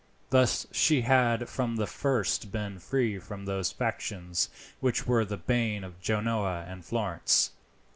Thus she had from the first been free from those factions which were the bane of Genoa and Florence.